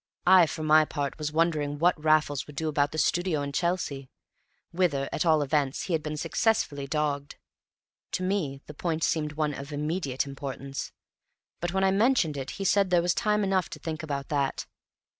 I, for my part, was wondering what Raffles would do about the studio in Chelsea, whither, at all events, he had been successfully dogged. To me the point seemed one of immediate importance, but when I mentioned it he said there was time enough to think about that.